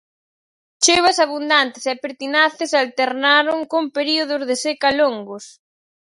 Choivas abundantes e pertinaces alternaron con períodos de seca longos.